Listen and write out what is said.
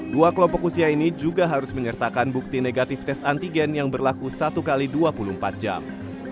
dua kelompok usia ini juga harus menyertakan bukti negatif tes antigen yang berlaku satu x dua puluh empat jam